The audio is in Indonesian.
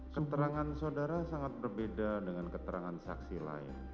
keterangan saudara sangat berbeda dengan keterangan saksi lain